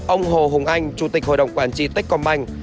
ông hồ hùng anh chủ tịch hội đồng quản trị techcombank